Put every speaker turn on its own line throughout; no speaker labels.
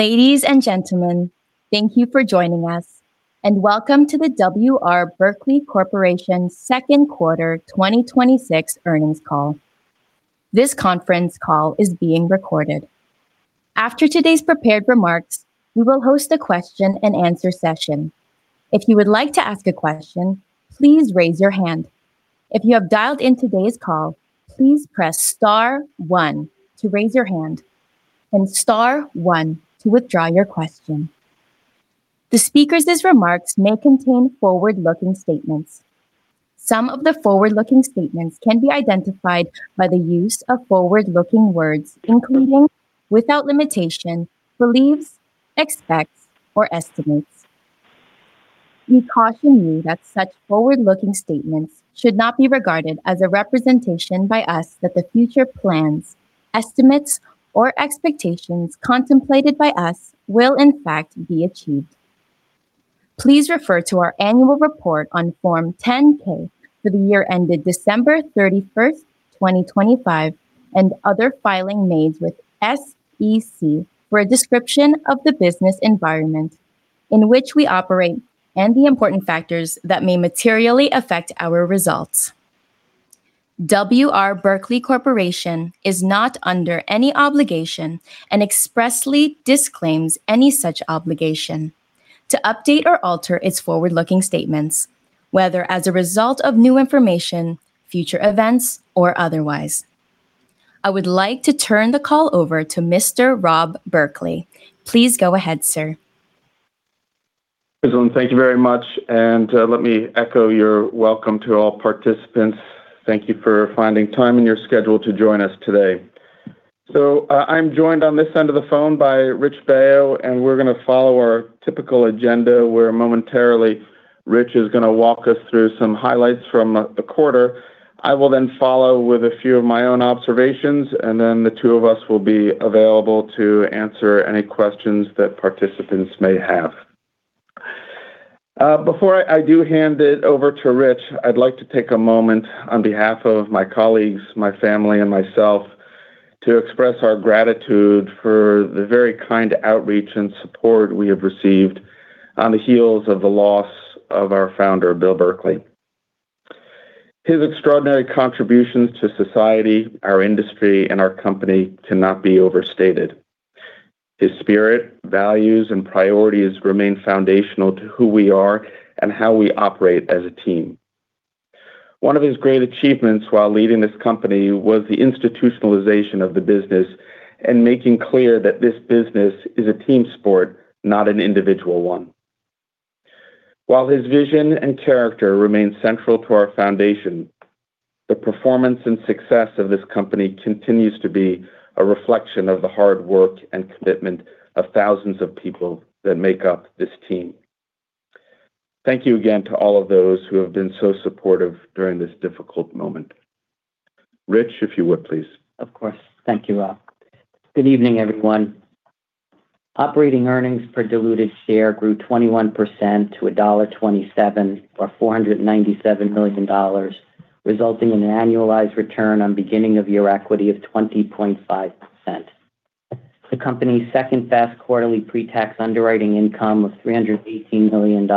Ladies and gentlemen, thank you for joining us, and welcome to the W. R. Berkley Corporation's second quarter 2026 earnings call. This conference call is being recorded. After today's prepared remarks, we will host a question-and-answer session. If you would like to ask a question, please raise your hand. If you have dialed in today's call, please press star one to raise your hand and star one to withdraw your question. The speakers' remarks may contain forward-looking statements. Some of the forward-looking statements can be identified by the use of forward-looking words, including, without limitation, believes, expects, or estimates. We caution you that such forward-looking statements should not be regarded as a representation by us that the future plans, estimates, or expectations contemplated by us will in fact be achieved. Please refer to our annual report on Form 10-K for the year ended December 31st, 2025, and other filings made with SEC for a description of the business environment in which we operate and the important factors that may materially affect our results. W. R. Berkley Corporation is not under any obligation and expressly disclaims any such obligation to update or alter its forward-looking statements, whether as a result of new information, future events, or otherwise. I would like to turn the call over to Mr. Rob Berkley. Please go ahead, sir.
Kristin, thank you very much, and let me echo your welcome to all participants. Thank you for finding time in your schedule to join us today. I'm joined on this end of the phone by Rich Baio, and we're going to follow our typical agenda, where momentarily Rich is going to walk us through some highlights from the quarter. I will then follow with a few of my own observations, and then the two of us will be available to answer any questions that participants may have. Before I do hand it over to Rich, I'd like to take a moment on behalf of my colleagues, my family, and myself to express our gratitude for the very kind outreach and support we have received on the heels of the loss of our founder, Bill Berkley. His extraordinary contributions to society, our industry, and our company cannot be overstated. His spirit, values, and priorities remain foundational to who we are and how we operate as a team. One of his great achievements while leading this company was the institutionalization of the business and making clear that this business is a team sport, not an individual one. While his vision and character remain central to our foundation, the performance and success of this company continues to be a reflection of the hard work and commitment of thousands of people that make up this team. Thank you again to all of those who have been so supportive during this difficult moment. Rich, if you would please.
Of course. Thank you, Rob. Good evening, everyone. Operating earnings per diluted share grew 21% to $1.27 or $497 million, resulting in an annualized return on beginning of year equity of 20.5%. The company's second-best quarterly pretax underwriting income of $318 million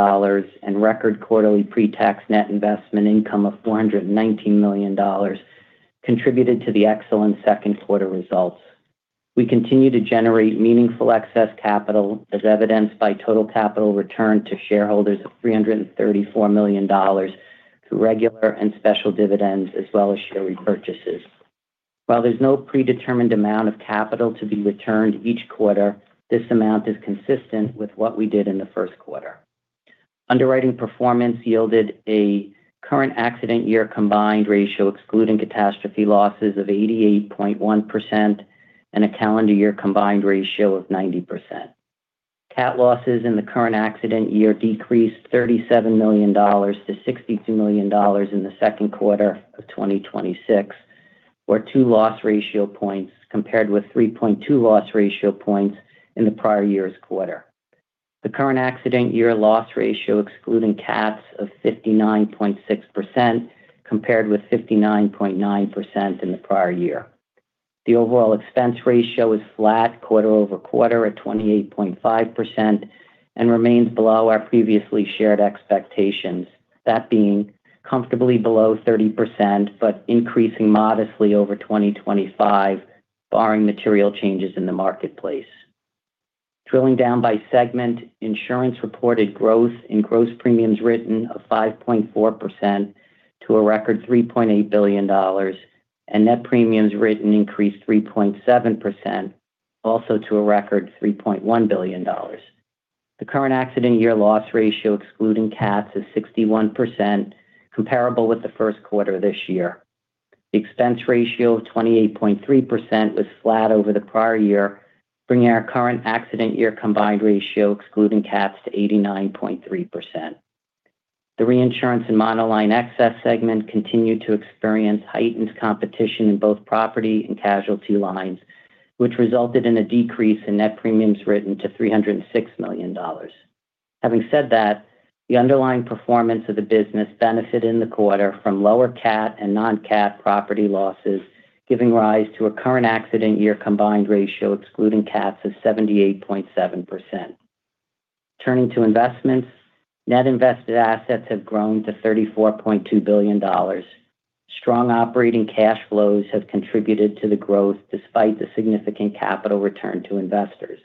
and record quarterly pretax net investment income of $419 million contributed to the excellent second quarter results. We continue to generate meaningful excess capital, as evidenced by total capital return to shareholders of $334 million through regular and special dividends as well as share repurchases. While there's no predetermined amount of capital to be returned each quarter, this amount is consistent with what we did in the first quarter. Underwriting performance yielded a current accident year combined ratio excluding catastrophe losses of 88.1% and a calendar year combined ratio of 90%. CAT losses in the current accident year decreased $37 million to $62 million in the second quarter of 2026 or 2 loss ratio points compared with 3.2 loss ratio points in the prior year's quarter. The current accident year loss ratio excluding CATs of 59.6% compared with 59.9% in the prior year. The overall expense ratio is flat quarter-over-quarter at 28.5% and remains below our previously shared expectations, that being comfortably below 30% but increasing modestly over 2025, barring material changes in the marketplace. Drilling down by segment, insurance reported growth in gross premiums written of 5.4% to a record $3.8 billion and net premiums written increased 3.7%, also to a record $3.1 billion. The current accident year loss ratio excluding CATs is 61%, comparable with the first quarter this year. The expense ratio of 28.3% was flat over the prior year, bringing our current accident year combined ratio excluding CATs to 89.3%. The Reinsurance & Monoline Excess segment continued to experience heightened competition in both property and casualty lines, which resulted in a decrease in net premiums written to $306 million. Having said that, the underlying performance of the business benefited in the quarter from lower CAT and non-CAT property losses, giving rise to a current accident year combined ratio excluding CATs of 78.7%. Turning to investments, net invested assets have grown to $34.2 billion. Strong operating cash flows have contributed to the growth despite the significant capital return to investors.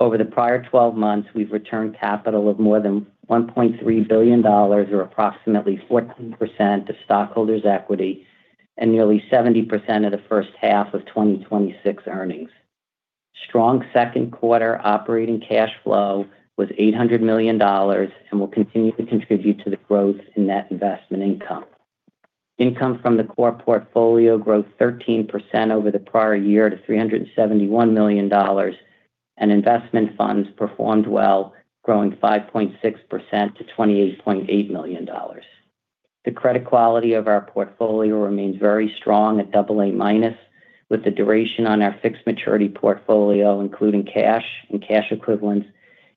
Over the prior 12 months, we've returned capital of more than $1.3 billion, or approximately 14% of stockholders' equity, and nearly 70% of the first half of 2026 earnings. Strong second quarter operating cash flow was $800 million and will continue to contribute to the growth in net investment income. Income from the core portfolio grew 13% over the prior year to $371 million, and investment funds performed well, growing 5.6% to $28.8 million. The credit quality of our portfolio remains very strong at AA-, with the duration on our fixed maturity portfolio, including cash and cash equivalents,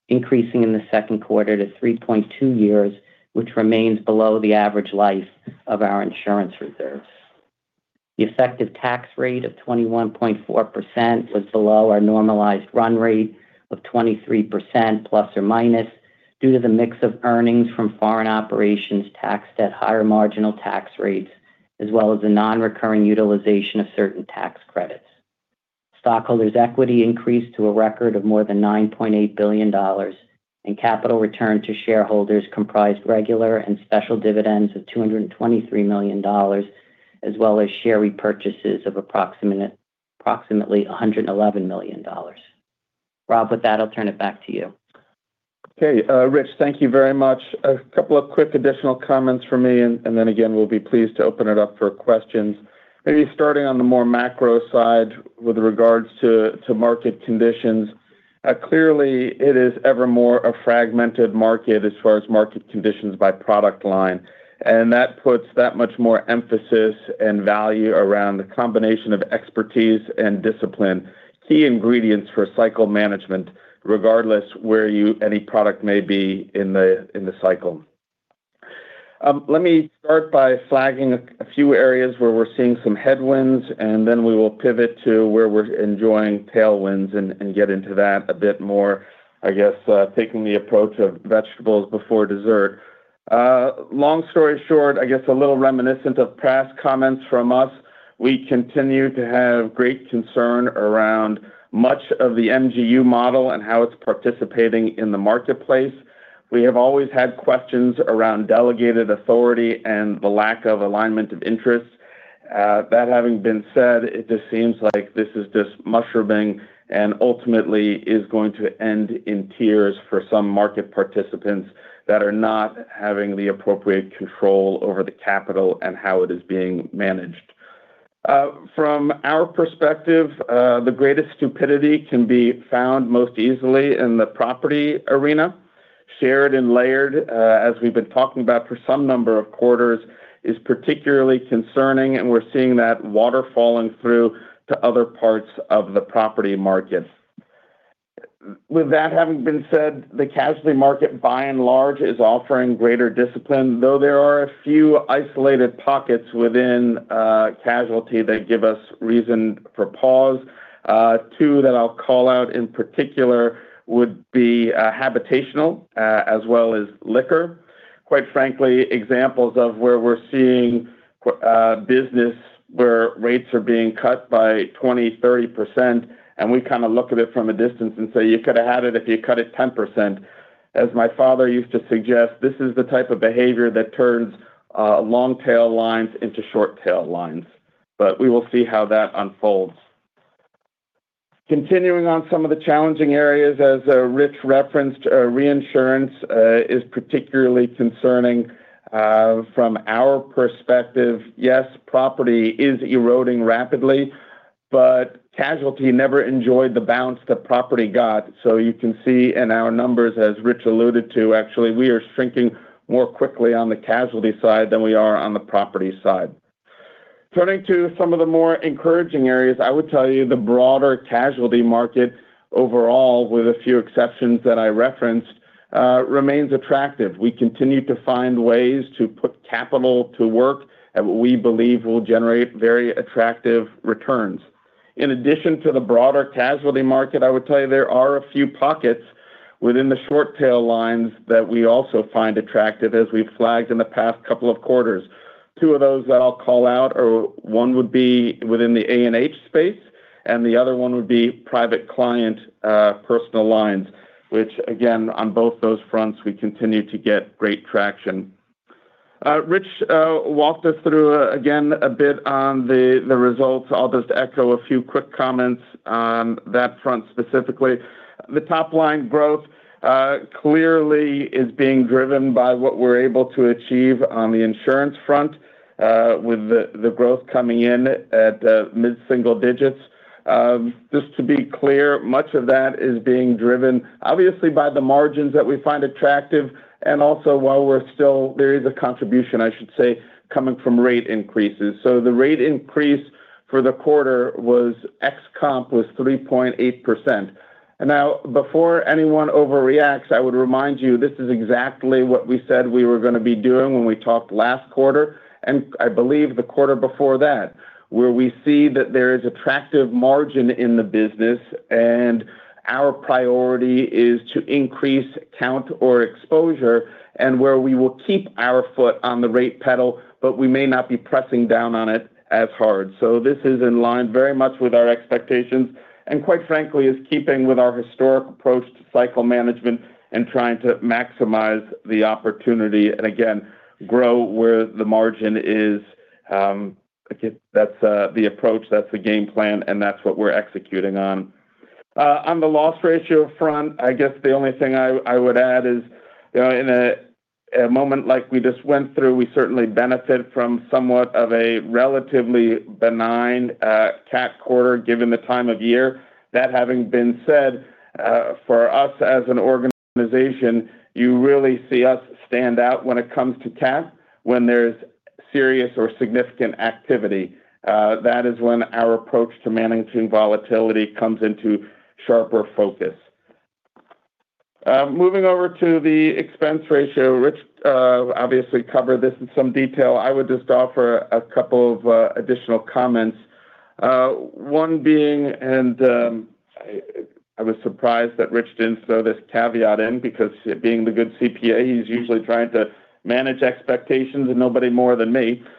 increasing in the second quarter to 3.2 years, which remains below the average life of our insurance reserves. The effective tax rate of 21.4% was below our normalized run rate of ±23% due to the mix of earnings from foreign operations taxed at higher marginal tax rates, as well as the non-recurring utilization of certain tax credits. Stockholders' equity increased to a record of more than $9.8 billion. Capital return to shareholders comprised regular and special dividends of $223 million, as well as share repurchases of approximately $111 million. Rob, with that, I'll turn it back to you.
Rich, thank you very much. A couple of quick additional comments from me. Then again, we'll be pleased to open it up for questions. Maybe starting on the more macro side with regards to market conditions. Clearly, it is ever more a fragmented market as far as market conditions by product line. That puts that much more emphasis and value around the combination of expertise and discipline, key ingredients for cycle management, regardless where any product may be in the cycle. Let me start by flagging a few areas where we're seeing some headwinds. Then we will pivot to where we're enjoying tailwinds and get into that a bit more, I guess, taking the approach of vegetables before dessert. Long story short, I guess a little reminiscent of past comments from us, we continue to have great concern around much of the MGU model and how it's participating in the marketplace. We have always had questions around delegated authority and the lack of alignment of interests. That having been said, it just seems like this is just mushrooming and ultimately is going to end in tears for some market participants that are not having the appropriate control over the capital and how it is being managed. From our perspective, the greatest stupidity can be found most easily in the property arena. Shared and layered, as we've been talking about for some number of quarters, is particularly concerning. We're seeing that water falling through to other parts of the property markets. With that having been said, the casualty market by and large is offering greater discipline, though there are a few isolated pockets within casualty that give us reason for pause. Two that I'll call out in particular would be habitational, as well as liquor. Quite frankly, examples of where we're seeing business where rates are being cut by 20%, 30%. We kind of look at it from a distance and say, you could have had it if you cut it 10%. As my father used to suggest, this is the type of behavior that turns long tail lines into short tail lines. We will see how that unfolds. Continuing on some of the challenging areas as Rich referenced, reinsurance is particularly concerning from our perspective. Yes, property is eroding rapidly. Casualty never enjoyed the bounce that property got. You can see in our numbers, as Rich alluded to, actually, we are shrinking more quickly on the casualty side than we are on the property side. Turning to some of the more encouraging areas, I would tell you the broader casualty market overall, with a few exceptions that I referenced, remains attractive. We continue to find ways to put capital to work that we believe will generate very attractive returns. In addition to the broader casualty market, I would tell you there are a few pockets within the short tail lines that we also find attractive as we've flagged in the past couple of quarters. Two of those that I'll call out are, one would be within the A&H space, and the other one would be private client personal lines, which again, on both those fronts, we continue to get great traction. Rich walked us through, again, a bit on the results. I'll just echo a few quick comments on that front specifically. The top-line growth clearly is being driven by what we're able to achieve on the insurance front with the growth coming in at mid-single-digits. Just to be clear, much of that is being driven obviously by the margins that we find attractive and also while we're still—there is a contribution, I should say, coming from rate increases. The rate increase for the quarter ex-comp was 3.8%. Now, before anyone overreacts, I would remind you this is exactly what we said we were going to be doing when we talked last quarter, and I believe the quarter before that, where we see that there is attractive margin in the business and our priority is to increase count or exposure and where we will keep our foot on the rate pedal, but we may not be pressing down on it as hard. This is in line very much with our expectations and quite frankly, is keeping with our historic approach to cycle management and trying to maximize the opportunity and again, grow where the margin is. That's the approach, that's the game plan, and that's what we're executing on. On the loss ratio front, I guess the only thing I would add is in a moment like we just went through, we certainly benefit from somewhat of a relatively benign CAT quarter given the time of year. That having been said, for us as an organization, you really see us stand out when it comes to CAT when there's serious or significant activity. That is when our approach to managing volatility comes into sharper focus. Moving over to the expense ratio, Rich obviously covered this in some detail. I would just offer a couple of additional comments. One being—and I was surprised that Rich didn't throw this caveat in because being the good CPA, he's usually trying to manage expectations of nobody more than me—we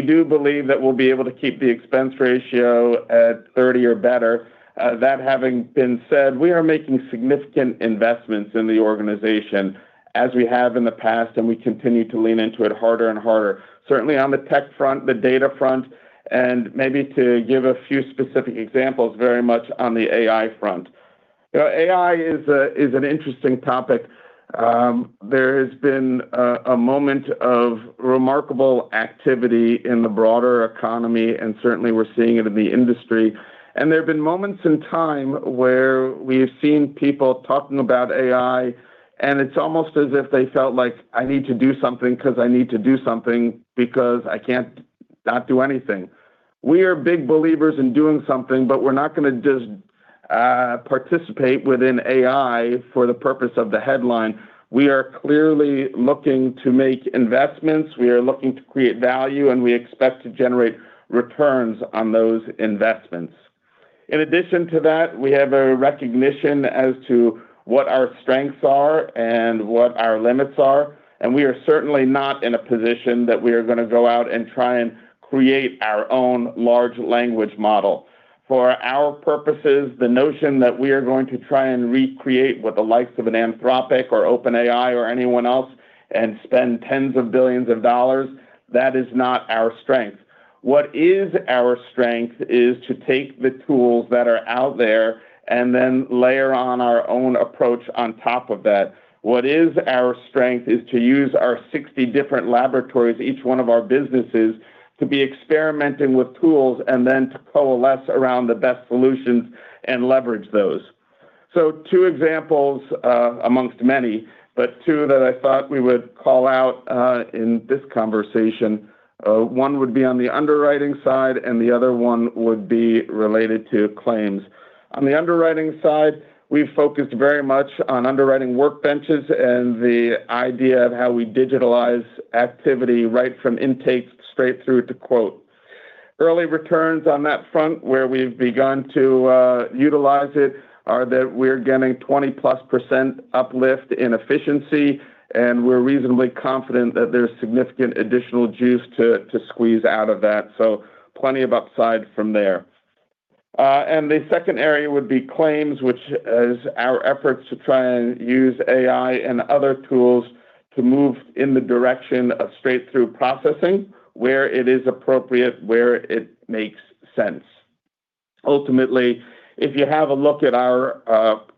do believe that we'll be able to keep the expense ratio at 30% or better. That having been said, we are making significant investments in the organization as we have in the past. We continue to lean into it harder and harder, certainly on the tech front, the data front. Maybe to give a few specific examples, very much on the AI front. AI is an interesting topic. There has been a moment of remarkable activity in the broader economy and certainly we're seeing it in the industry. There have been moments in time where we've seen people talking about AI. It's almost as if they felt like I need to do something because I need to do something because I can't not do anything. We are big believers in doing something. We're not going to just participate within AI for the purpose of the headline. We are clearly looking to make investments. We are looking to create value. We expect to generate returns on those investments. In addition to that, we have a recognition as to what our strengths are and what our limits are. We are certainly not in a position that we are going to go out and try and create our own large language model. For our purposes, the notion that we are going to try and recreate what the likes of an Anthropic or OpenAI or anyone else and spend tens of billions of dollars, that is not our strength. What is our strength is to take the tools that are out there and then layer on our own approach on top of that. What is our strength is to use our 60 different laboratories, each one of our businesses, to be experimenting with tools and then to coalesce around the best solutions and leverage those. Two examples amongst many, but two that I thought we would call out in this conversation. One would be on the underwriting side. The other one would be related to claims. On the underwriting side, we've focused very much on underwriting workbenches and the idea of how we digitalize activity right from intake straight through to quote. Early returns on that front where we've begun to utilize it are that we're getting 20%+ uplift in efficiency. We're reasonably confident that there's significant additional juice to squeeze out of that. Plenty of upside from there. The second area would be claims, which is our efforts to try and use AI and other tools to move in the direction of straight-through processing where it is appropriate, where it makes sense. Ultimately, if you have a look at our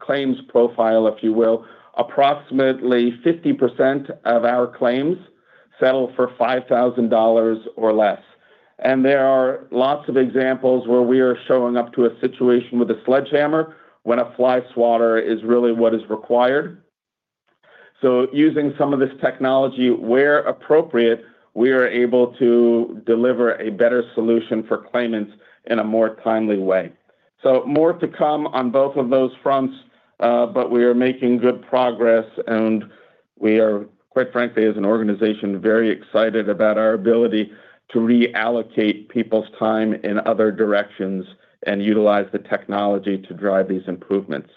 claims profile, if you will, approximately 50% of our claims settle for $5,000 or less. There are lots of examples where we are showing up to a situation with a sledgehammer when a fly swatter is really what is required. Using some of this technology where appropriate, we are able to deliver a better solution for claimants in a more timely way. More to come on both of those fronts. We are making good progress and we are, quite frankly, as an organization, very excited about our ability to reallocate people's time in other directions and utilize the technology to drive these improvements.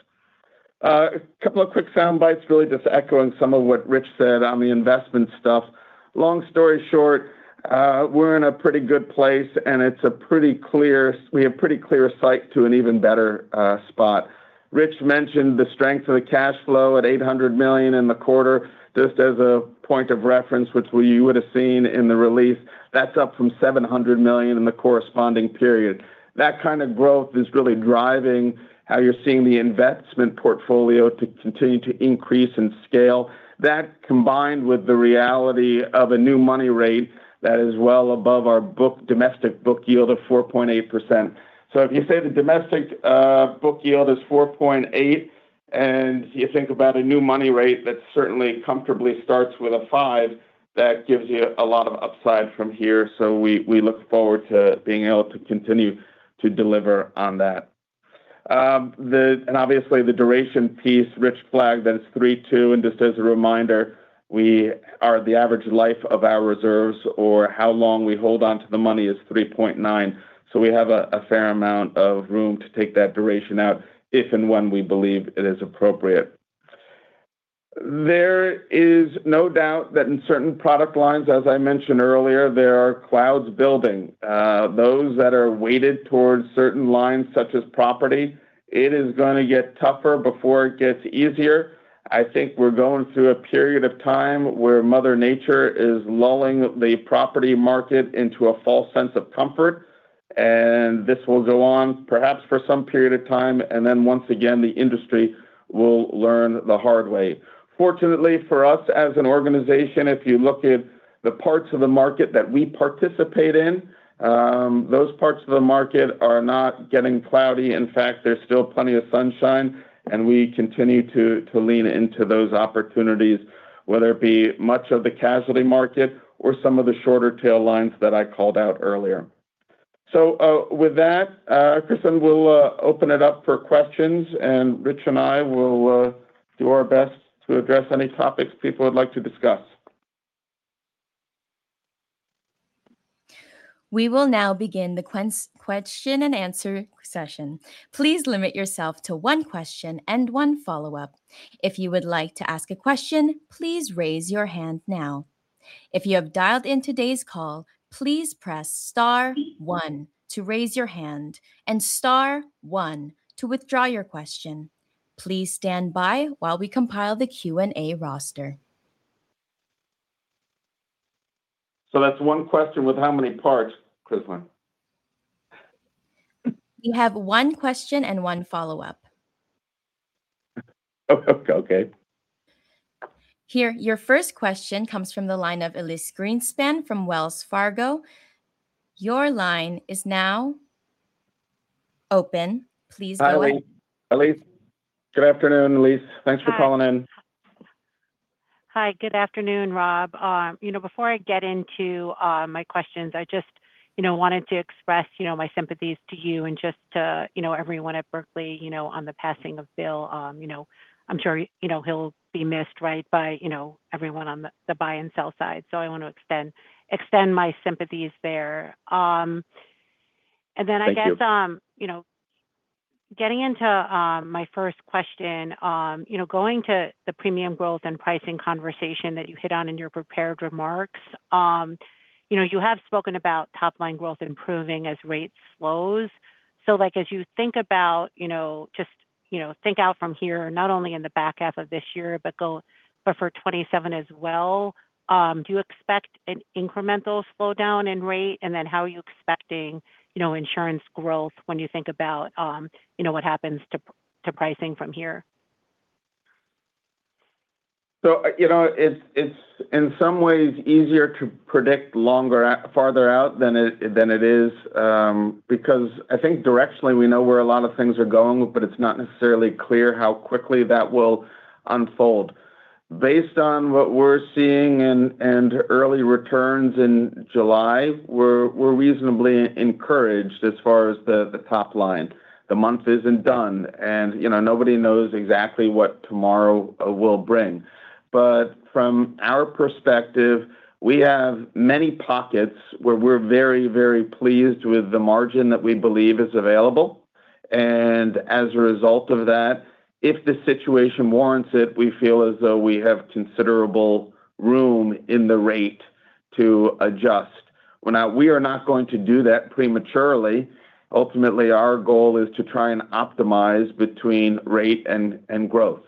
A couple of quick soundbites really just echoing some of what Rich said on the investment stuff. Long story short, we're in a pretty good place and we have pretty clear sight to an even better spot. Rich mentioned the strength of the cash flow at $800 million in the quarter, just as a point of reference, which you would have seen in the release. That's up from $700 million in the corresponding period. That kind of growth is really driving how you're seeing the investment portfolio to continue to increase in scale. That combined with the reality of a new money rate that is well above our domestic book yield of 4.8%. If you say the domestic book yield is 4.8%. You think about a new money rate that certainly comfortably starts with a 5%, that gives you a lot of upside from here. We look forward to being able to continue to deliver on that. Obviously the duration piece, Rich flagged that it's 3.2 years. Just as a reminder, the average life of our reserves or how long we hold onto the money is 3.9 years. We have a fair amount of room to take that duration out if and when we believe it is appropriate. There is no doubt that in certain product lines, as I mentioned earlier, there are clouds building. Those that are weighted towards certain lines such as property, it is going to get tougher before it gets easier. I think we're going through a period of time where mother nature is lulling the property market into a false sense of comfort. This will go on perhaps for some period of time, and then once again the industry will learn the hard way. Fortunately for us as an organization, if you look at the parts of the market that we participate in, those parts of the market are not getting cloudy. In fact, there's still plenty of sunshine, and we continue to lean into those opportunities, whether it be much of the casualty market or some of the shorter tail lines that I called out earlier. With that, Kristin, we'll open it up for questions. Rich and I will do our best to address any topics people would like to discuss.
We will now begin the question-and-answer session. Please limit yourself to one question and one follow-up. If you would like to ask a question, please raise your hand now. If you have dialed in today's call, please press star one to raise your hand and star one to withdraw your question. Please stand by while we compile the Q&A roster.
That's one question with how many parts, Kristin?
You have one question and one follow-up. Here, your first question comes from the line of Elyse Greenspan from Wells Fargo. Your line is now open. Please go ahead.
Hi, Elyse. Good afternoon, Elyse. Thanks for calling in.
Hi. Good afternoon, Rob. Before I get into my questions, I just wanted to express my sympathies to you and just to everyone at Berkley on the passing of Bill. I'm sure he'll be missed by everyone on the buy-and-sell side. I want to extend my sympathies there.
Thank you.
I guess getting into my first question, going to the premium growth and pricing conversation that you hit on in your prepared remarks. You have spoken about top-line growth improving as rate slows. As you think about, not only in the back half of this year but for 2027 as well, do you expect an incremental slowdown in rate? How are you expecting insurance growth when you think about what happens to pricing from here?
It's in some ways easier to predict farther out than it is, because I think directionally we know where a lot of things are going, but it's not necessarily clear how quickly that will unfold. Based on what we're seeing and early returns in July, we're reasonably encouraged as far as the top line. The month isn't done and nobody knows exactly what tomorrow will bring. From our perspective, we have many pockets where we're very pleased with the margin that we believe is available. As a result of that, if the situation warrants it, we feel as though we have considerable room in the rate to adjust. We are not going to do that prematurely. Ultimately, our goal is to try and optimize between rate and growth.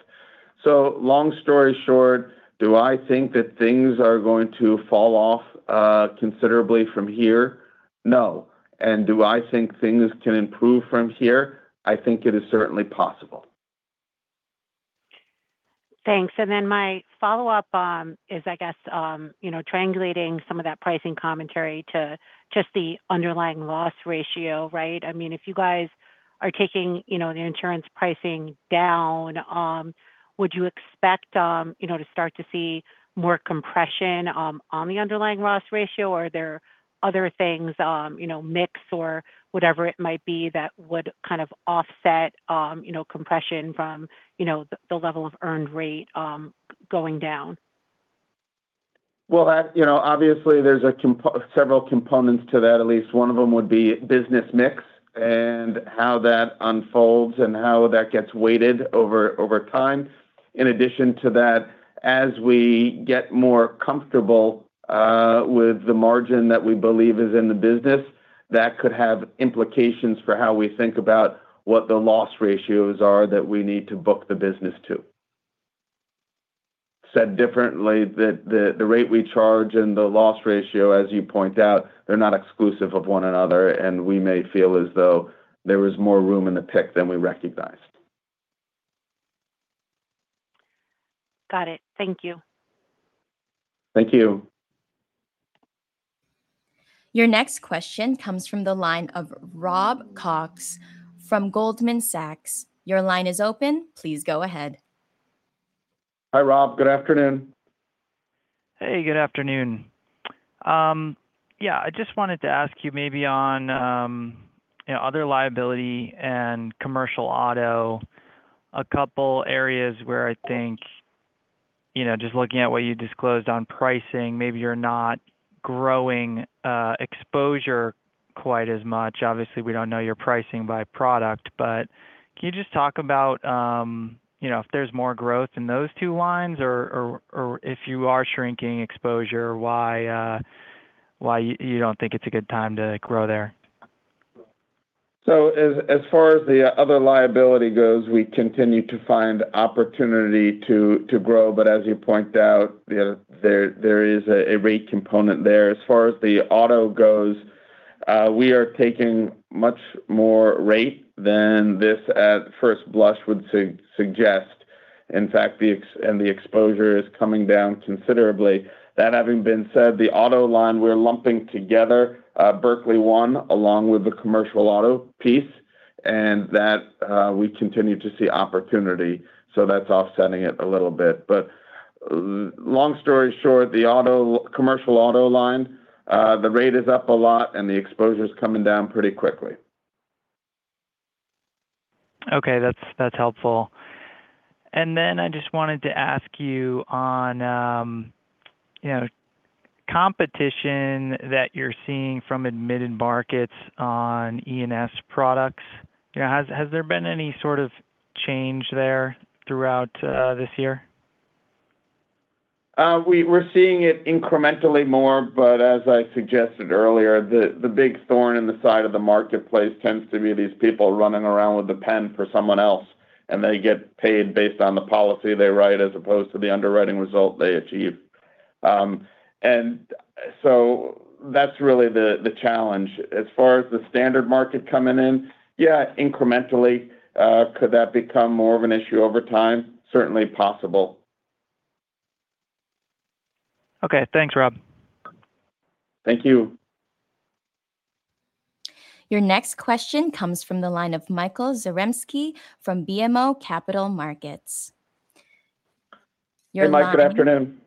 Long story short, do I think that things are going to fall off considerably from here? No. Do I think things can improve from here? I think it is certainly possible.
Thanks. My follow-up is, I guess, triangulating some of that pricing commentary to just the underlying loss ratio. If you guys are taking the insurance pricing down, would you expect to start to see more compression on the underlying loss ratio? Or are there other things, mix or whatever it might be that would kind of offset compression from the level of earned rate going down?
Well, obviously there's several components to that, Elyse. One of them would be business mix and how that unfolds and how that gets weighted over time. In addition to that, as we get more comfortable with the margin that we believe is in the business, that could have implications for how we think about what the loss ratios are that we need to book the business to. Said differently, the rate we charge and the loss ratio, as you point out, they're not exclusive of one another, and we may feel as though there was more room in the pick than we recognized.
Got it. Thank you.
Thank you.
Your next question comes from the line of Rob Cox from Goldman Sachs. Your line is open. Please go ahead.
Hi, Rob. Good afternoon.
Hey, good afternoon. I just wanted to ask you maybe on other liability and commercial auto, a couple areas where I think, just looking at what you disclosed on pricing, maybe you're not growing exposure quite as much. Obviously, we don't know your pricing by product, but can you just talk about if there's more growth in those two lines? Or if you are shrinking exposure, why you don't think it's a good time to grow there?
As far as the other liability goes, we continue to find opportunity to grow. As you point out, there is a rate component there. As far as the auto goes, we are taking much more rate than this at first blush would suggest. In fact, the exposure is coming down considerably. That having been said, the auto line, we're lumping together Berkley One, along with the commercial auto piece, and that we continue to see opportunity. That's offsetting it a little bit. Long story short, the commercial auto line, the rate is up a lot and the exposure's coming down pretty quickly.
That's helpful. I just wanted to ask you on competition that you're seeing from admitted markets on E&S products. Has there been any sort of change there throughout this year?
We're seeing it incrementally more, but as I suggested earlier, the big thorn in the side of the marketplace tends to be these people running around with a pen for someone else, and they get paid based on the policy they write as opposed to the underwriting result they achieve. That's really the challenge. As far as the standard market coming in, incrementally, could that become more of an issue over time? Certainly possible.
Thanks, Rob.
Thank you.
Your next question comes from the line of Michael Zaremski from BMO Capital Markets.
Hey, Mike, good afternoon.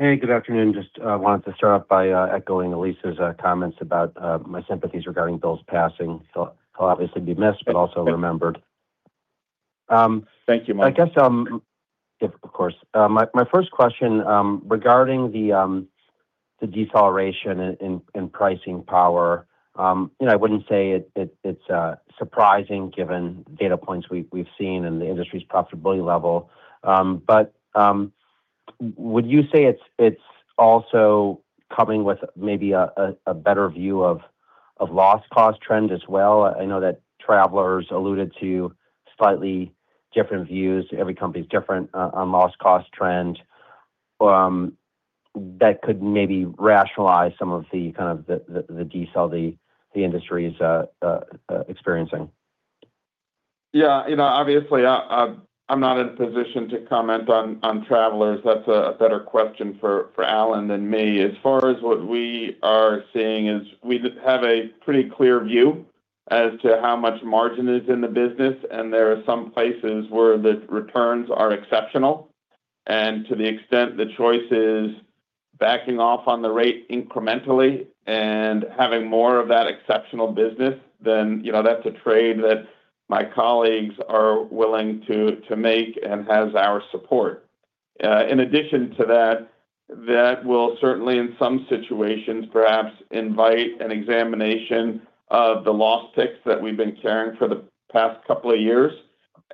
Hey, good afternoon. Just wanted to start off by echoing Elyse's comments about my sympathies regarding Bill's passing. He'll obviously be missed but also remembered.
Thank you, Mike.
Of course. My first question regarding the deceleration in pricing power. I wouldn't say it's surprising given data points we've seen in the industry's profitability level. Would you say it's also coming with maybe a better view of loss cost trend as well? I know that Travelers alluded to slightly different views. Every company's different on loss cost trend. That could maybe rationalize some of the decel the industry is experiencing.
Obviously, I'm not in a position to comment on Travelers. That's a better question for Alan than me. As far as what we are seeing is we have a pretty clear view as to how much margin is in the business, and there are some places where the returns are exceptional. To the extent the choice is backing off on the rate incrementally and having more of that exceptional business, that's a trade that my colleagues are willing to make and has our support. In addition to that, that will certainly in some situations perhaps invite an examination of the loss picks that we've been carrying for the past couple of years,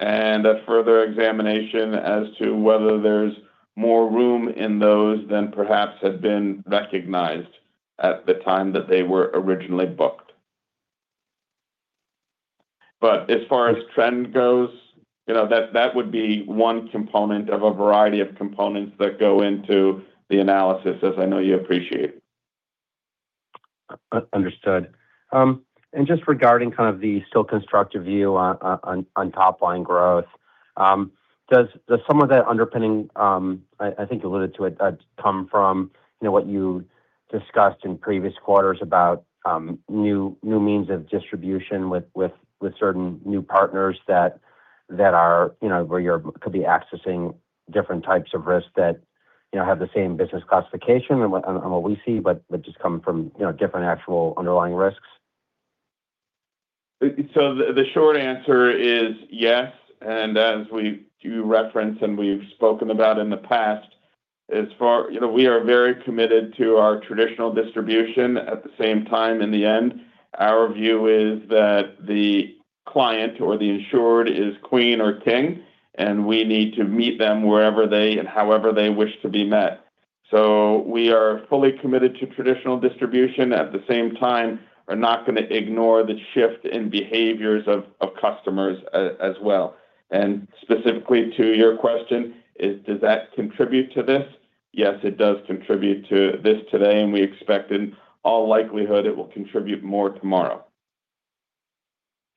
and a further examination as to whether there's more room in those than perhaps had been recognized at the time that they were originally booked. As far as trend goes, that would be one component of a variety of components that go into the analysis, as I know you appreciate.
Understood. Just regarding the still constructive view on top-line growth. Does some of the underpinning, I think you alluded to it, come from what you discussed in previous quarters about new means of distribution with certain new partners that could be accessing different types of risks that have the same business classification on what we see, but just come from different actual underlying risks?
The short answer is yes, and as we do reference and we have spoken about in the past, we are very committed to our traditional distribution. At the same time, in the end, our view is that the client or the insured is queen or king, and we need to meet them wherever they and however they wish to be met. We are fully committed to traditional distribution, at the same time, are not going to ignore the shift in behaviors of customers as well. Specifically to your question is, does that contribute to this? Yes, it does contribute to this today, and we expect in all likelihood it will contribute more tomorrow.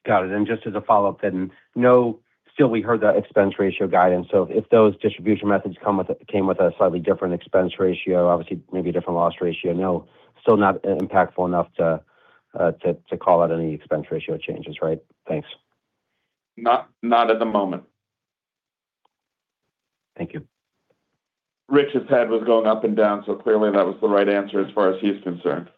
Got it. Just as a follow-up then, still we heard the expense ratio guidance. If those distribution methods came with a slightly different expense ratio, obviously maybe a different loss ratio, still not impactful enough to call out any expense ratio changes, right? Thanks.
Not at the moment.
Thank you.
Rich's head was going up and down, clearly that was the right answer as far as he's concerned.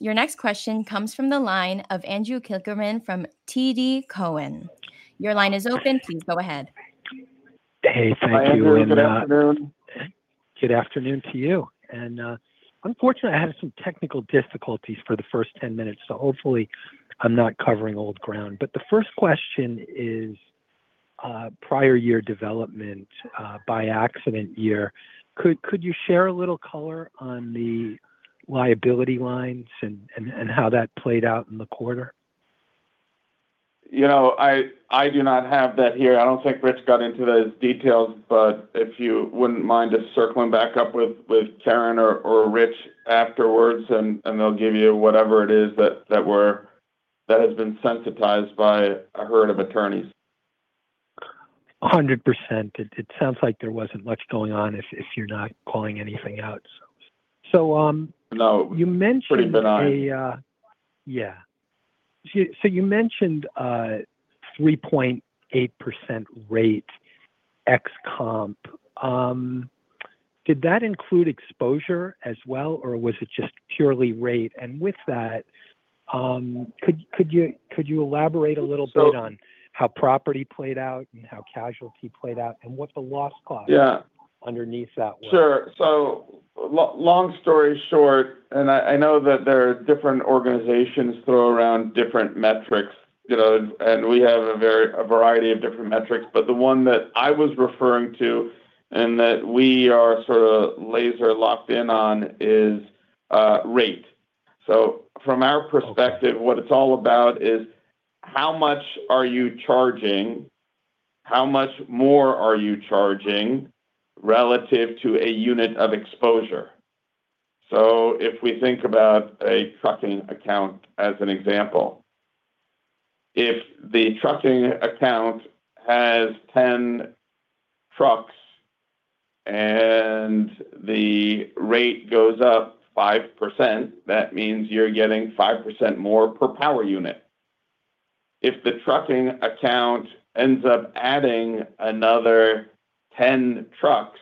Your next question comes from the line of Andrew Kligerman from TD Cowen. Your line is open. Please go ahead.
Hey, thank you.
Hi, Andrew. Good afternoon.
Good afternoon to you. Unfortunately I had some technical difficulties for the first 10 minutes, so hopefully I'm not covering old ground. The first question is prior year development by accident year. Could you share a little color on the liability lines and how that played out in the quarter?
I do not have that here. I don't think Rich got into those details, but if you wouldn't mind just circling back up with Karen or Rich afterwards, and they'll give you whatever it is that has been sensitized by a herd of attorneys.
100%. It sounds like there wasn't much going on if you're not calling anything out.
No.
You mentioned a 3.8% rate ex-comp. Did that include exposure as well, or was it just purely rate? With that, could you elaborate a little bit on how property played out and how casualty played out and what the loss cost underneath that was?
Sure. Long story short, I know that different organizations throw around different metrics, We have a variety of different metrics, the one that I was referring to and that we are sort of laser locked in on is rate. From our perspective, what it's all about is how much are you charging? How much more are you charging relative to a unit of exposure? If we think about a trucking account as an example, if the trucking account has 10 trucks and the rate goes up 5%, that means you're getting 5% more per power unit. If the trucking account ends up adding another 10 trucks,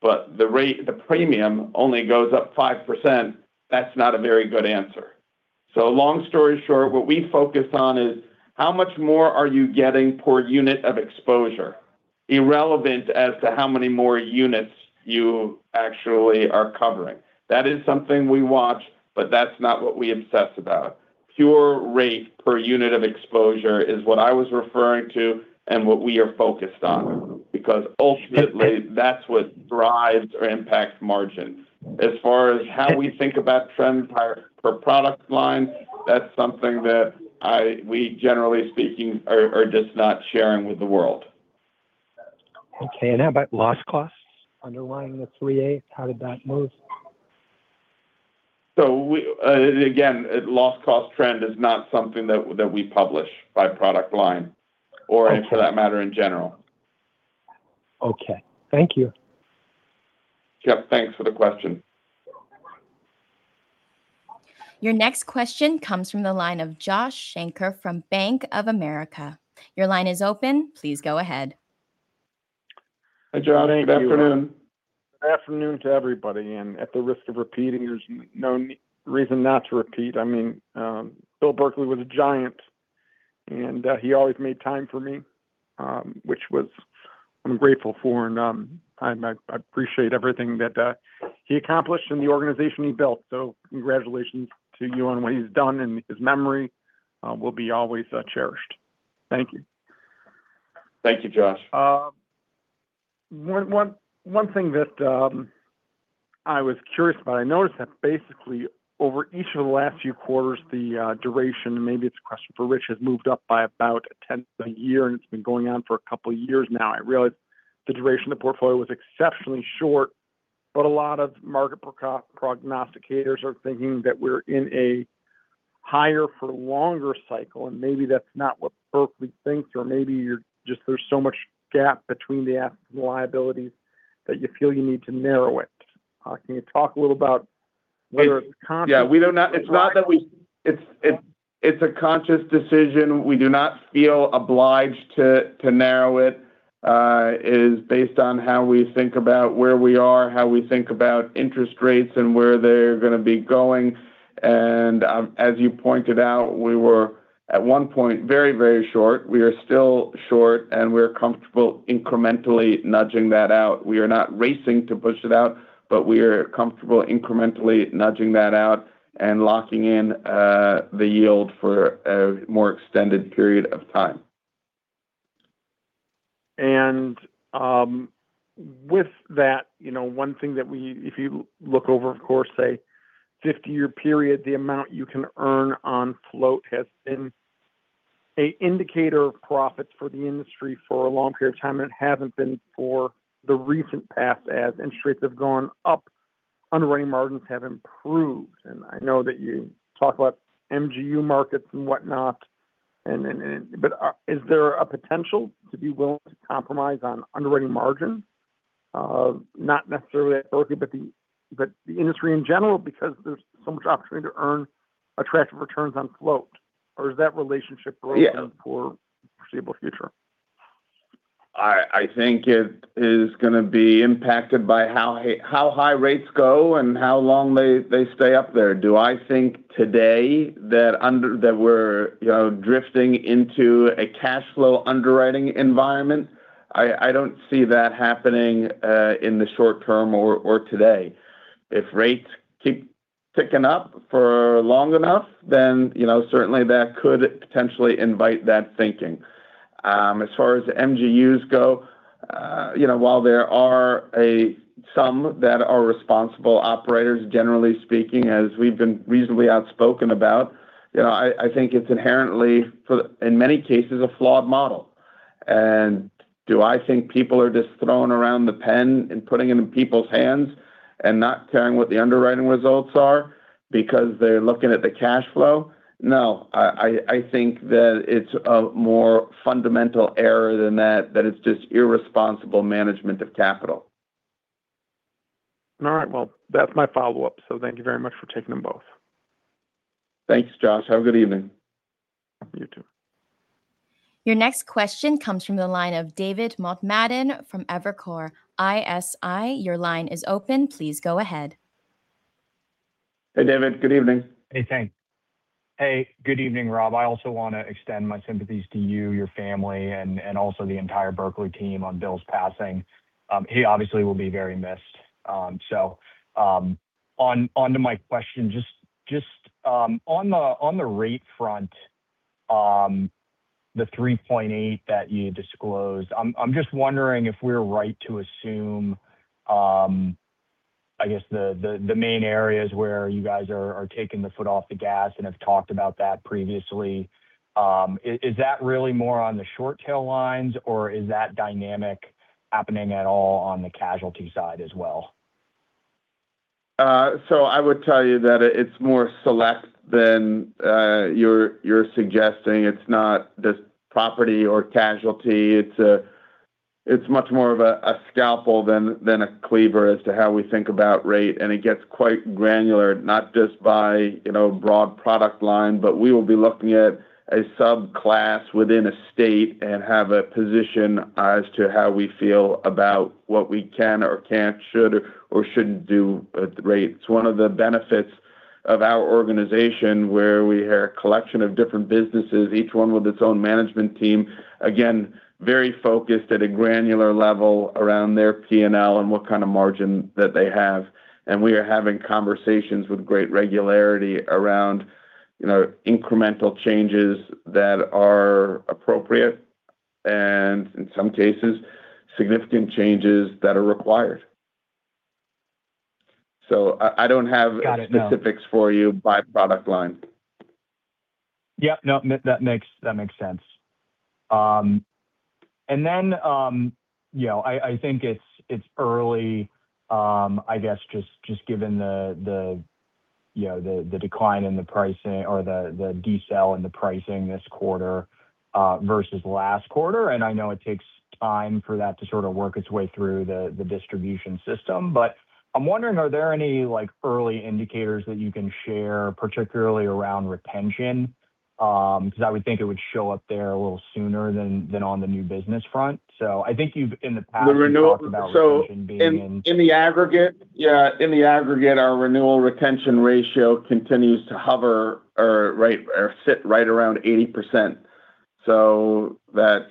the premium only goes up 5%, that's not a very good answer. Long story short, what we focus on is how much more are you getting per unit of exposure, irrelevant as to how many more units you actually are covering. That is something we watch, that's not what we obsess about. Pure rate per unit of exposure is what I was referring to and what we are focused on. Ultimately that's what drives or impacts margin. As far as how we think about trends per product line, that's something that we, generally speaking, are just not sharing with the world.
How about loss costs underlying the 3.8%? How did that move?
Again, loss cost trend is not something that we publish by product line or for that matter in general.
Thank you.
Thanks for the question.
Your next question comes from the line of Josh Shanker from Bank of America. Your line is open. Please go ahead.
Hi, Josh. Good afternoon.
Good afternoon.
Good afternoon to everybody. At the risk of repeating, there's no reason not to repeat. Bill Berkley was a giant, and he always made time for me, which I'm grateful for, and I appreciate everything that he accomplished and the organization he built. Congratulations to you on what he's done, and his memory will be always cherished. Thank you.
Thank you, Josh.
One thing that I was curious about. I noticed that basically over each of the last few quarters, the duration, maybe it's a question for Rich, has moved up by about a 10th of a year, and it's been going on for a couple of years now. I realize the duration of the portfolio was exceptionally short, but a lot of market prognosticators are thinking that we're in a higher for longer cycle, and maybe that's not what W. R. Berkley thinks, or maybe there's so much gap between the assets and the liabilities that you feel you need to narrow it. Can you talk a little about your conscious approach?
It's a conscious decision. We do not feel obliged to narrow it. It is based on how we think about where we are, how we think about interest rates and where they're going to be going. As you pointed out, we were at one point very short. We are still short, and we're comfortable incrementally nudging that out. We are not racing to push it out, but we are comfortable incrementally nudging that out and locking in the yield for a more extended period of time.
With that, one thing that if you look over, of course, say, 50-year period, the amount you can earn on float has been an indicator of profits for the industry for a long period of time, and it hasn't been for the recent past, as interest rates have gone up, underwriting margins have improved. I know that you talk about MGU markets and whatnot, but is there a potential to be willing to compromise on underwriting margin? Not necessarily at W. R. Berkley, but the industry in general, because there's so much opportunity to earn attractive returns on float. Or is that relationship going down for foreseeable future?
I think it is going to be impacted by how high rates go and how long they stay up there. Do I think today that we're drifting into a cash flow underwriting environment? I don't see that happening in the short term or today. If rates keep ticking up for long enough, certainly that could potentially invite that thinking. As far as MGUs go, while there are some that are responsible operators, generally speaking, as we've been reasonably outspoken about, I think it's inherently, in many cases, a flawed model. Do I think people are just throwing around the pen and putting it in people's hands and not caring what the underwriting results are because they're looking at the cash flow? No. I think that it's a more fundamental error than that, that it's just irresponsible management of capital.
All right. That's my follow-up. Thank you very much for taking them both.
Thanks, Josh. Have a good evening.
You too.
Your next question comes from the line of David Motemaden from Evercore ISI. Your line is open. Please go ahead.
Hey, David. Good evening.
Thanks. Good evening, Rob. I also want to extend my sympathies to you, your family, and also the entire Berkley team on Bill's passing. He obviously will be very missed. On to my question. On the rate front, the 3.8% that you disclosed, I'm just wondering if we're right to assume, I guess, the main areas where you guys are taking the foot off the gas and have talked about that previously. Is that really more on the short-tail lines, or is that dynamic happening at all on the casualty side as well?
I would tell you that it's more select than you're suggesting. It's not just property or casualty. It's much more of a scalpel than a cleaver as to how we think about rate, and it gets quite granular, not just by broad product line, but we will be looking at a subclass within a state and have a position as to how we feel about what we can or can't, should or shouldn't do at the rate. It's one of the benefits of our organization, where we are a collection of different businesses, each one with its own management team, again, very focused at a granular level around their P&L and what kind of margin that they have. And we are having conversations with great regularity around incremental changes that are appropriate and, in some cases, significant changes that are required. I don't have-
Got it....
specifics for you by product line.
That makes sense. I think it's early, I guess, just given the decline in the pricing or the decel in the pricing this quarter versus last quarter, and I know it takes time for that to sort of work its way through the distribution system. I'm wondering, are there any early indicators that you can share, particularly around retention? Because I would think it would show up there a little sooner than on the new business front. I think you've, in the past-
The renewal-...
you've talked about retention being in-
In the aggregate, our renewal retention ratio continues to hover or sit right around 80%. That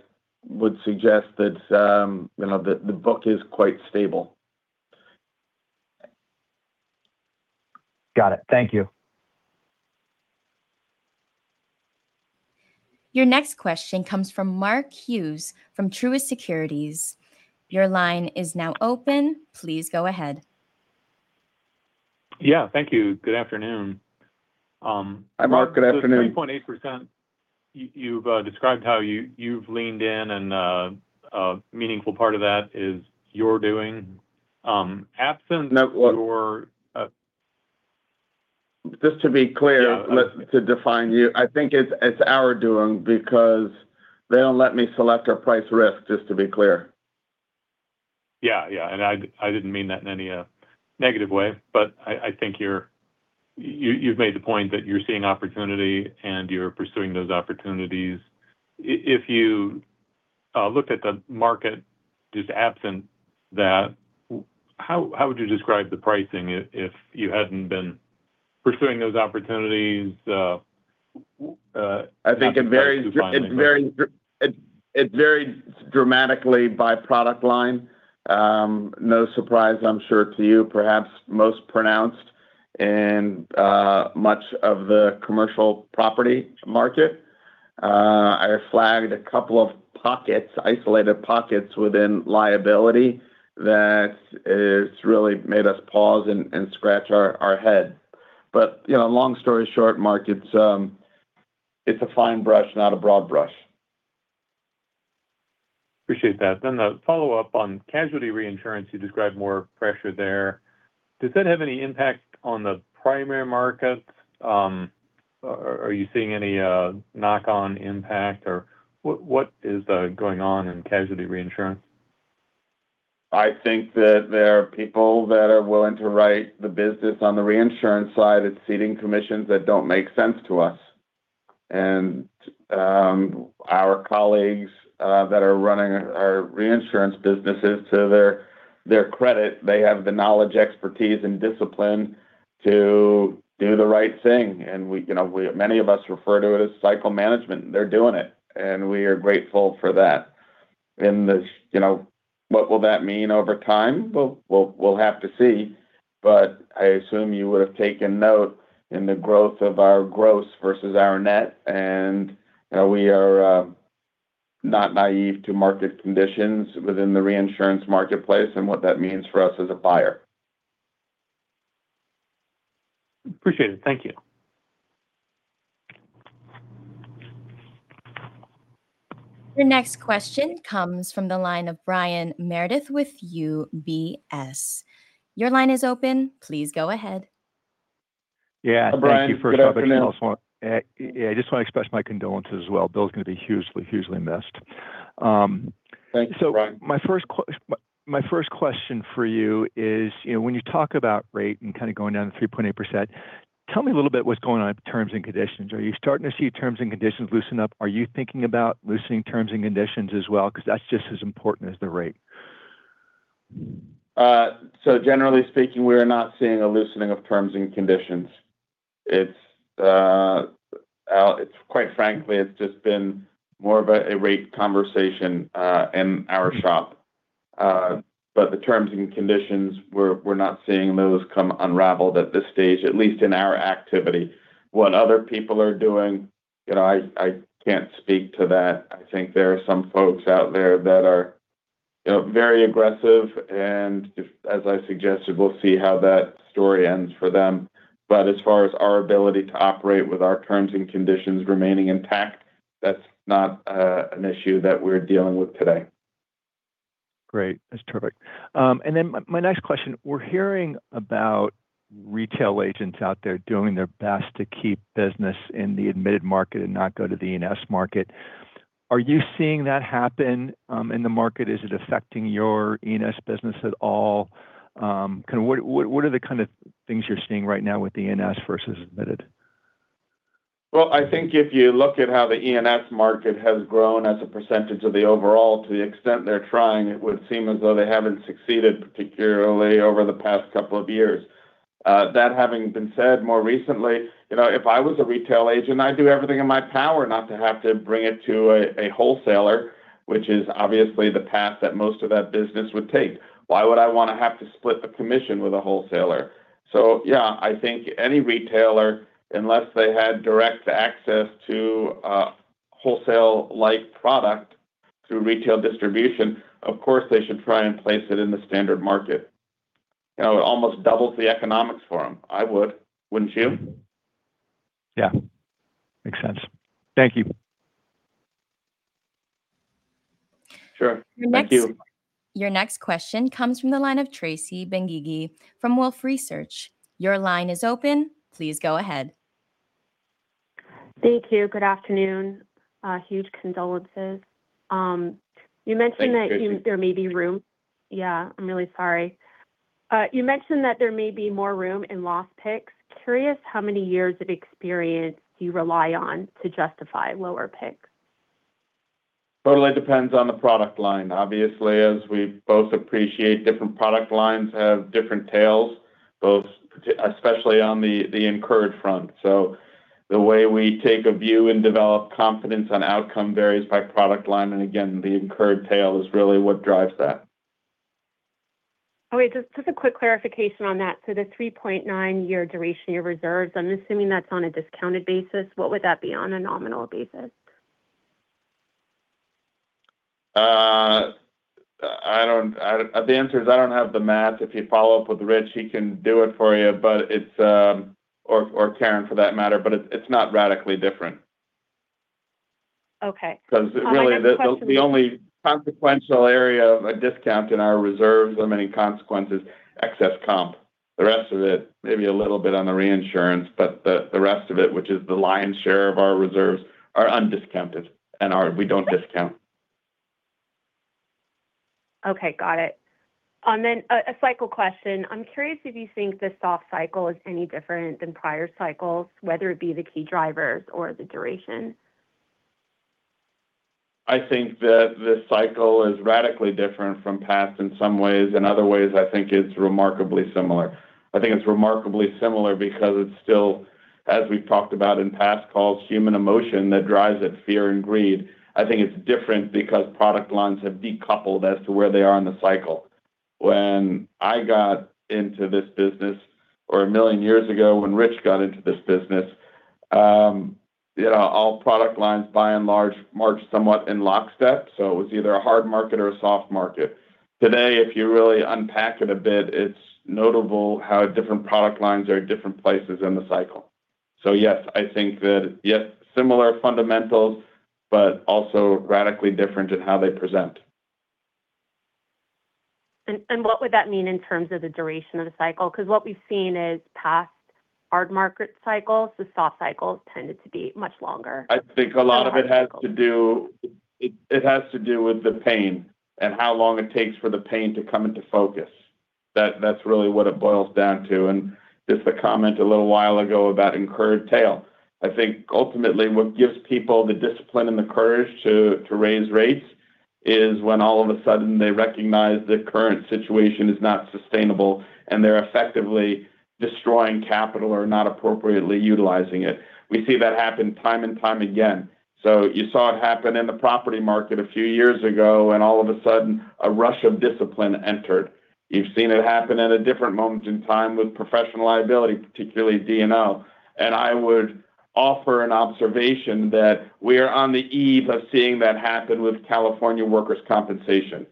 would suggest that the book is quite stable.
Got it. Thank you.
Your next question comes from Mark Hughes from Truist Securities. Your line is now open. Please go ahead.
Thank you. Good afternoon.
Hi, Mark. Good afternoon.
The 3.8%, you've described how you've leaned in and a meaningful part of that is your doing.
No. Just to be clear, to define, I think it's our doing because they don't let me select or price risk, just to be clear.
I didn't mean that in any negative way, but I think you've made the point that you're seeing opportunity and you're pursuing those opportunities. If you looked at the market, just absent that, how would you describe the pricing if you hadn't been pursuing those opportunities?
I think it varied dramatically by product line. No surprise, I'm sure, to you, perhaps most pronounced in much of the commercial property market. I flagged a couple of pockets, isolated pockets within liability that has really made us pause and scratch our head. Long story short, Mark, it's a fine brush, not a broad brush.
Appreciate that. The follow-up on casualty reinsurance, you described more pressure there. Does that have any impact on the primary markets? Are you seeing any knock-on impact, or what is going on in casualty reinsurance?
I think that there are people that are willing to write the business on the reinsurance side. It's ceding commissions that don't make sense to us. Our colleagues that are running our reinsurance businesses, to their credit, they have the knowledge, expertise, and discipline to do the right thing. Many of us refer to it as cycle management. They're doing it, and we are grateful for that. What will that mean over time? We'll have to see. I assume you would've taken note in the growth of our gross versus our net, we are not naive to market conditions within the reinsurance marketplace and what that means for us as a buyer.
Appreciate it. Thank you.
Your next question comes from the line of Brian Meredith with UBS. Your line is open. Please go ahead.
Hi, Brian. Good afternoon.
Thank you. First, I just want to express my condolences as well. Bill's going to be hugely missed.
Thanks, Brian.
My first question for you is, when you talk about rate and kind of going down to 3.8%, tell me a little bit what's going on with terms and conditions. Are you starting to see terms and conditions loosen up? Are you thinking about loosening terms and conditions as well? Because that's just as important as the rate.
Generally speaking, we're not seeing a loosening of terms and conditions. Quite frankly, it's just been more of a rate conversation in our shop. The terms and conditions, we're not seeing those come unraveled at this stage, at least in our activity. What other people are doing, I can't speak to that. I think there are some folks out there that are very aggressive and, as I suggested, we'll see how that story ends for them. As far as our ability to operate with our terms and conditions remaining intact, that's not an issue that we're dealing with today.
Great. That's terrific. My next question, we're hearing about retail agents out there doing their best to keep business in the admitted market and not go to the E&S market. Are you seeing that happen in the market? Is it affecting your E&S business at all? What are the kind of things you're seeing right now with E&S versus admitted?
I think if you look at how the E&S market has grown as a percentage of the overall, to the extent they're trying, it would seem as though they haven't succeeded particularly over the past couple of years. That having been said, more recently, if I was a retail agent, I'd do everything in my power not to have to bring it to a wholesaler, which is obviously the path that most of that business would take. Why would I want to have to split the commission with a wholesaler? I think any retailer, unless they had direct access to a wholesale-like product through retail distribution, of course, they should try and place it in the standard market. It almost doubles the economics for them. I would, wouldn't you?
Makes sense. Thank you.
Sure. Thank you.
Your next question comes from the line of Tracy Benguigui from Wolfe Research. Your line is open. Please go ahead.
Thank you. Good afternoon. Huge condolences.
Thank you, Tracy.
I'm really sorry. You mentioned that there may be more room in loss picks. Curious how many years of experience you rely on to justify lower picks.
Totally depends on the product line. Obviously, as we both appreciate, different product lines have different tails, especially on the incurred front. The way we take a view and develop confidence on outcome varies by product line, and again, the incurred tail is really what drives that.
Wait, just a quick clarification on that. The 3.9-year duration of your reserves, I'm assuming that's on a discounted basis. What would that be on a nominal basis?
The answer is I don't have the math. If you follow up with Rich, he can do it for you, or Karen for that matter, but it's not radically different.
I have a question-
Really, the only consequential area of a discount in our reserves or any consequence is excess comp. The rest of it, maybe a little bit on the reinsurance, but the rest of it, which is the lion's share of our reserves, are undiscounted and we don't discount.
Got it. Then a cycle question. I'm curious if you think this soft cycle is any different than prior cycles, whether it be the key drivers or the duration.
I think that this cycle is radically different from past in some ways. In other ways, I think it's remarkably similar. I think it's remarkably similar because it's still, as we've talked about in past calls, human emotion that drives it, fear and greed. I think it's different because product lines have decoupled as to where they are in the cycle. When I got into this business—or a million years ago when Rich got into this business—all product lines by and large march somewhat in lockstep, so it was either a hard market or a soft market. Today, if you really unpack it a bit, it's notable how different product lines are at different places in the cycle. Yes, I think that similar fundamentals, but also radically different in how they present.
What would that mean in terms of the duration of the cycle? What we've seen is past hard market cycles, the soft cycles tended to be much longer.
I think a lot of it has to do with the pain and how long it takes for the pain to come into focus. That's really what it boils down to. Just a comment a little while ago about incurred tail. I think ultimately what gives people the discipline and the courage to raise rates is when all of a sudden they recognize the current situation is not sustainable, and they're effectively destroying capital or not appropriately utilizing it. We see that happen time and time again. You saw it happen in the property market a few years ago, and all of a sudden a rush of discipline entered. You've seen it happen at a different moment in time with professional liability, particularly D&O. I would offer an observation that we are on the eve of seeing that happen with California workers' compensation.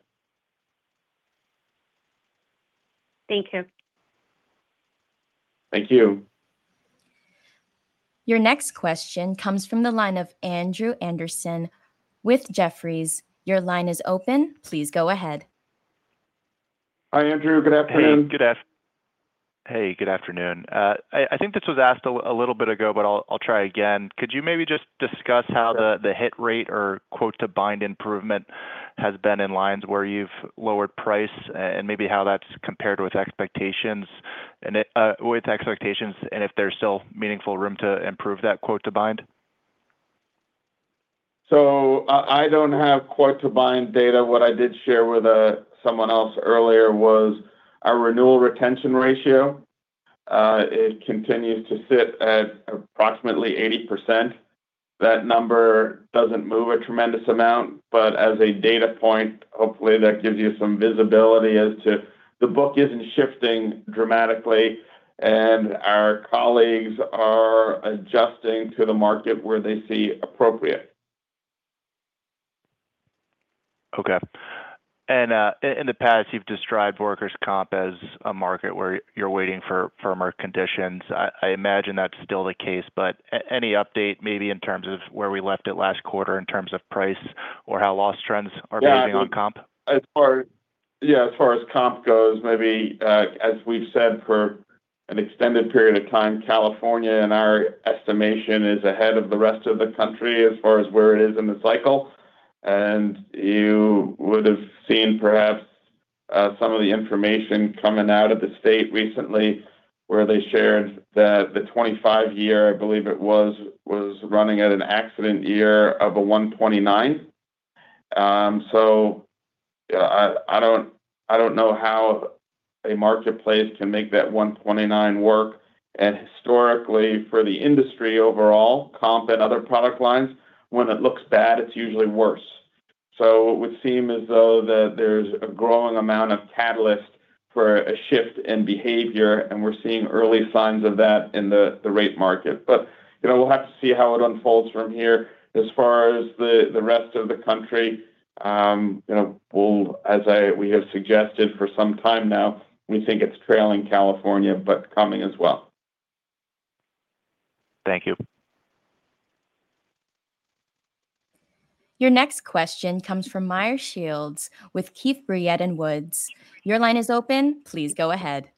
Thank you.
Thank you.
Your next question comes from the line of Andrew Andersen with Jefferies. Your line is open. Please go ahead.
Hi, Andrew. Good afternoon.
Hey, good afternoon. I think this was asked a little bit ago, but I'll try again. Could you maybe just discuss how the hit rate or quote-to-bind improvement has been in lines where you've lowered price and maybe how that's compared with expectations, and if there's still meaningful room to improve that quote-to-bind?
I don't have quote-to-bind data. What I did share with someone else earlier was our renewal retention ratio. It continues to sit at approximately 80%. That number doesn't move a tremendous amount, but as a data point, hopefully, that gives you some visibility as to the book isn't shifting dramatically, and our colleagues are adjusting to the market where they see appropriate.
In the past, you've described workers' comp as a market where you're waiting for firmer conditions. I imagine that's still the case, but any update maybe in terms of where we left it last quarter in terms of price or how loss trends are behaving on comp?
As far as comp goes, maybe as we've said for an extended period of time, California, in our estimation, is ahead of the rest of the country as far as where it is in the cycle. You would've seen perhaps some of the information coming out of the state recently where they shared that the 25-year, I believe it was running at an accident year of a 129%. I don't know how a marketplace can make that 129% work. Historically, for the industry overall, comp and other product lines, when it looks bad, it's usually worse. It would seem as though that there's a growing amount of catalyst for a shift in behavior, and we're seeing early signs of that in the rate market. We'll have to see how it unfolds from here. As far as the rest of the country, as we have suggested for some time now, we think it's trailing California, but coming as well.
Thank you.
Your next question comes from Meyer Shields with Keefe, Bruyette & Woods. Your line is open. Please go ahead.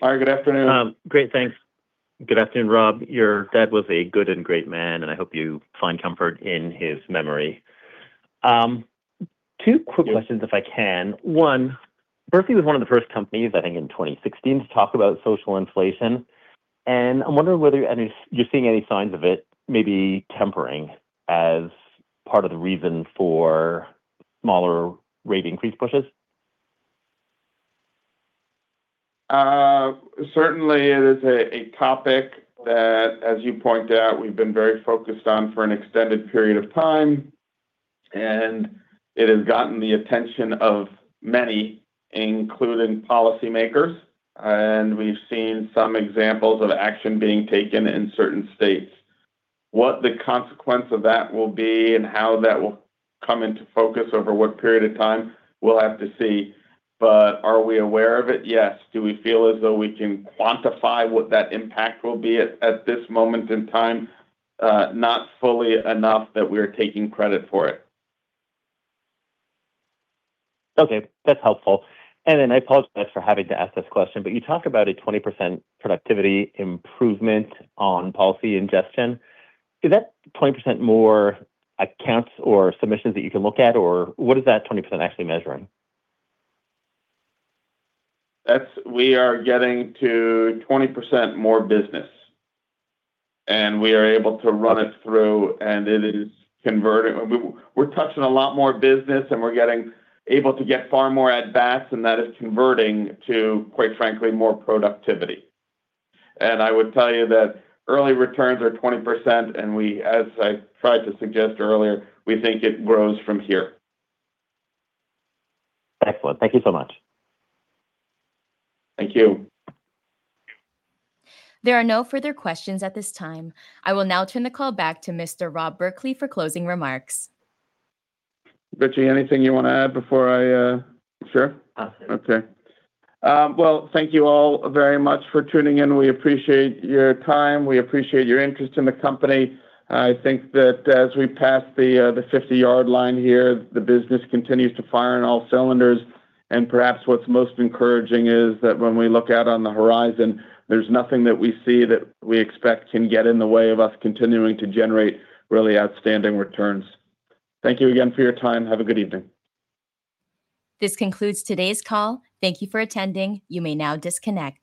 Hi, good afternoon.
Great. Thanks. Good afternoon, Rob. Your dad was a good and great man, and I hope you find comfort in his memory. Two quick questions if I can. One, Berkley was one of the first companies, I think in 2016, to talk about social inflation, and I'm wondering whether you're seeing any signs of it maybe tempering as part of the reason for smaller rate increase pushes.
Certainly, it is a topic that, as you point out, we've been very focused on for an extended period of time, and it has gotten the attention of many, including policymakers, and we've seen some examples of action being taken in certain states. What the consequence of that will be and how that will come into focus over what period of time, we'll have to see. Are we aware of it? Yes. Do we feel as though we can quantify what that impact will be at this moment in time? Not fully enough that we're taking credit for it.
That's helpful. I apologize for having to ask this question, but you talk about a 20% productivity improvement on policy ingestion. Is that 20% more accounts or submissions that you can look at, or what is that 20% actually measuring?
We are getting to 20% more business, and we are able to run it through, and it is converting. We're touching a lot more business, and we're able to get far more at bats, and that is converting to, quite frankly, more productivity. I would tell you that early returns are 20%, and as I tried to suggest earlier, we think it grows from here.
Excellent. Thank you so much.
Thank you.
There are no further questions at this time. I will now turn the call back to Mr. Rob Berkley for closing remarks.
Rich, anything you want to add before I—Sure?
Awesome.
Well, thank you all very much for tuning in. We appreciate your time. We appreciate your interest in the company. I think that as we pass the 50-yard line here, the business continues to fire on all cylinders, and perhaps what's most encouraging is that when we look out on the horizon, there's nothing that we see that we expect can get in the way of us continuing to generate really outstanding returns. Thank you again for your time. Have a good evening.
This concludes today's call. Thank you for attending. You may now disconnect.